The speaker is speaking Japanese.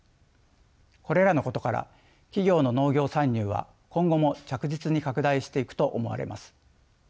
これらのことから企業の農業参入は今後も着実に拡大していくと思われます。